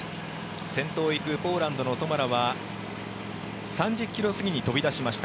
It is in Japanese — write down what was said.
先頭を行くポーランドのトマラは３０ｋｍ過ぎに飛び出しました。